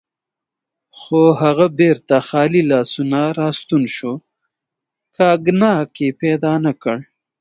خو هغه بیرته خالي لاس راستون شو، کاګناک یې پیدا نه کړ.